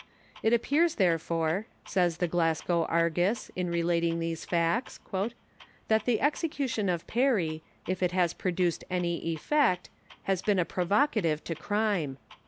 <'It appears, therefore," says the Glasgow Argus, in relating these facts, '* that the execution of Perrie, if it has produced any effect, has been a provocative to crime."